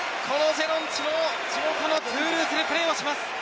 ジェロンチも地元のトゥールーズでプレーをします。